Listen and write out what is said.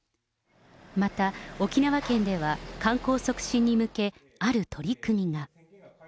また、沖縄県では観光促進に向け、ある取り組みが。